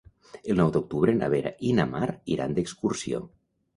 El nou d'octubre na Vera i na Mar iran d'excursió.